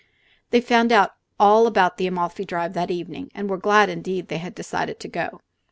They found out all about the Amalfi drive that evening, and were glad indeed they had decided to go.